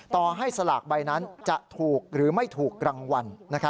ต่อให้สลากใบนั้นจะถูกหรือไม่ถูกรางวัล